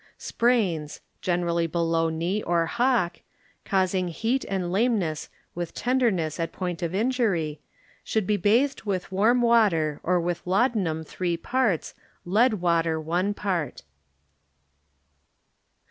Sprains (generally below knee or hock), causing heat and lameness with tenderness at point of injury, should be bathed with warm wafer or with lauda num three parts, lead water one part.